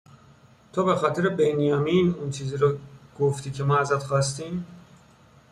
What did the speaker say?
تو به خاطر بنیامین، اون چیزی رو گفتی که ما ازت خواستیم